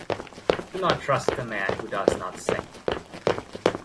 Do not trust a man who does not sing.